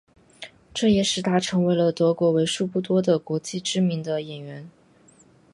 这也使他成为了德国为数不多的国际知名的演员。